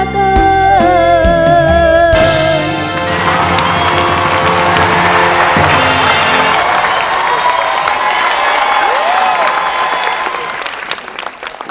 ขอบคุณค่ะ